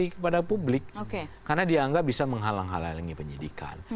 jadi tidak bisa menghalangi penyidikan